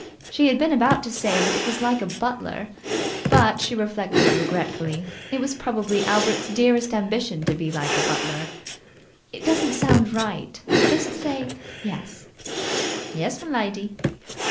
She had been about to say that it was like a butler, but, she reflected regretfully, it was probably Albert's dearest ambition to be like a butler. "It doesn't sound right. Just say 'Yes'." "Yes, m'lady."